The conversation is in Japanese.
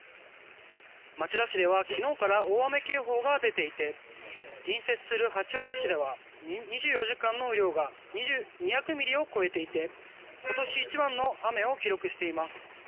町田市では昨日から大雨警報が出ていて隣接する八王子市では２４時間の雨量が２００ミリを超えていて今年一番の雨を記録しています。